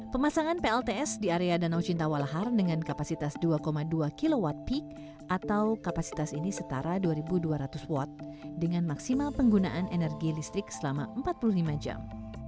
pemasangan plts di area danau cinta walahar dengan kapasitas dua dua kw peak atau kapasitas ini setara dua dua ratus watt dengan maksimal penggunaan energi listrik selama empat puluh lima jam